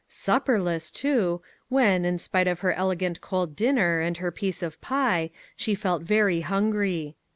Supperless, too, when, in spite of her elegant cold dinner and her piece of pie, she felt very hungry.